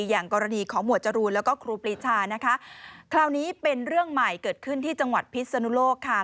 อย่างกรณีของหมวดจรูนแล้วก็ครูปรีชานะคะคราวนี้เป็นเรื่องใหม่เกิดขึ้นที่จังหวัดพิศนุโลกค่ะ